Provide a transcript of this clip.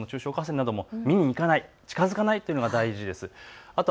今夜は近くの中小河川なども見に行かない、近づかないというのが大事です。